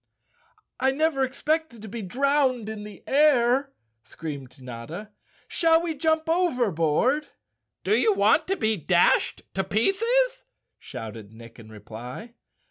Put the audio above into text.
" I never expected to be drowned in the air," screamed Notta. "Shall we jump overboard?" "Do you want to be dashed to pieces?" shouted Nick in reply.